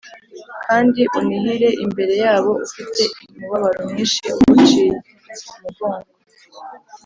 kandi unihire imbere yabo ufite umubabaro mwinshi uguciye umugongo